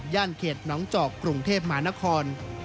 เขตน้องจอกกรุงเทพมหานคร